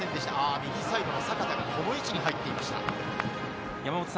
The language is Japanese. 右サイドの阪田がこの位置に入っていました。